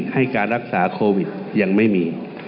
ให้การรักษาโควิดยังไม่มี